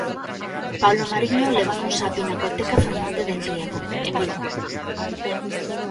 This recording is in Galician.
Paula Mariño lévanos á Pinacoteca Fernández del Riego, en Vigo.